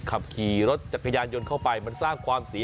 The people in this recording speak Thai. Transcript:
ขับขี่รถจักรยานยนต์เข้าไป